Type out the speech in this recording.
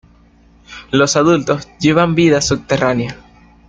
Los adultos llevan vida subterránea.